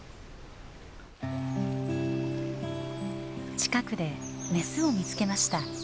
近くでメスを見つけました。